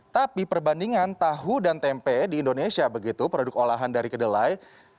tapi perbandingan tahu dan tempe di indonesia begitu produk olahan dari kedelai